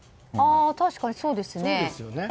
確かにそうですね。